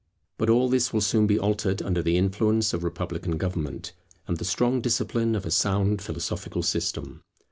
But all this will soon be altered under the influence of republican government, and the strong discipline of a sound philosophical system.